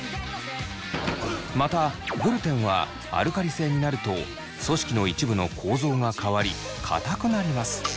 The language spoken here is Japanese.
またグルテンはアルカリ性になると組織の一部の構造が変わりかたくなります。